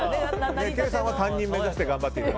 ケイさんは担任目指して頑張っている。